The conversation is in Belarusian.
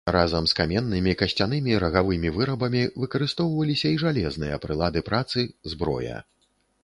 Разам з каменнымі, касцянымі, рагавымі вырабамі выкарыстоўваліся і жалезныя прылады працы, зброя.